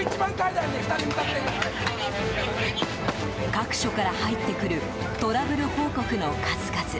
各所から入ってくるトラブル報告の数々。